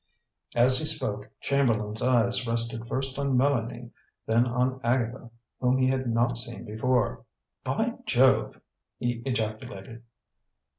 As he spoke, Chamberlain's eyes rested first on Mélanie, then on Agatha, whom he had not seen before. "By Jove!" he ejaculated.